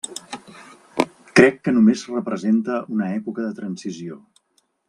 Crec que només representa una època de transició.